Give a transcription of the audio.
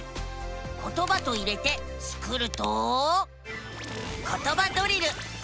「ことば」と入れてスクると「ことばドリル」。